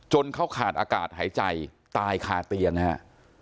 เขาขาดอากาศหายใจตายคาเตียงนะฮะ